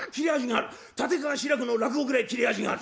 立川志らくの落語ぐれえ切れ味がある」。